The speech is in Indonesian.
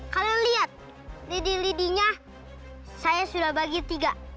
kalau lihat lidi lidinya saya sudah bagi tiga